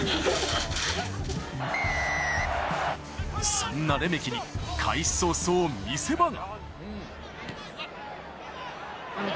そんなレメキに開始早々、見せ場が。